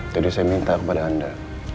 jadi saya minta kepada anda